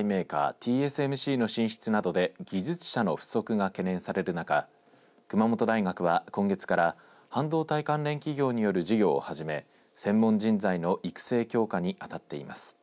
ＴＳＭＣの進出などで技術者の不足が懸念される中熊本大学は、今月から半導体関連企業による授業を始め専門人材の育成強化に当たっています。